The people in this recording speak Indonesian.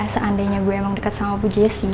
seandainya gue emang deket sama bu jessy